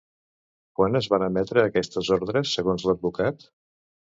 Quan es van emetre aquestes ordres segons l'advocat?